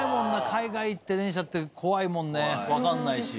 海外行って電車って怖いもんね分かんないし。